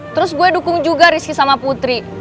terus gue dukung juga rizky sama putri